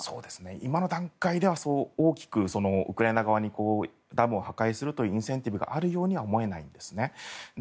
今の段階では大きくウクライナ側にダムを破壊するとインセンティブがあるようには思えないです。